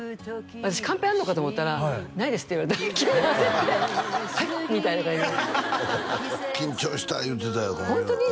私カンペあるのかと思ったらないですって言われて急に焦って「はい」みたいな感じ緊張した言うてたよホントに？